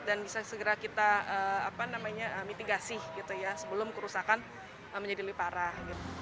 dan bisa segera kita mitigasi sebelum kerusakan menjadi lebih parah